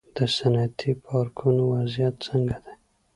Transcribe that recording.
د صنعتي پارکونو وضعیت څنګه دی؟